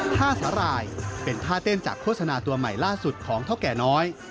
ท่าสาหร่ายเป็นท่าเต้นจากโฆษณาตัวใหม่ล่าสุดของเท่าแก่น้อย